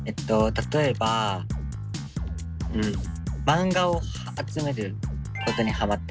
例えばマンガを集めることにはまってて。